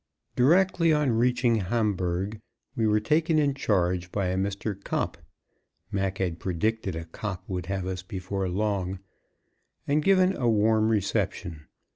Directly on reaching Hamburg, we were taken in charge by a Mr. Kopp (Mac had predicted a cop would have us before long), and given a warm reception.